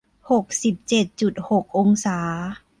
หกสิบเจ็ดจุดหกองศา